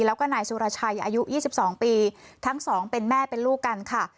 แล้วก็นายสุรชัยอายุ๒๒ปีทั้งสองเป็นแม่เป็นลูกกันค่ะ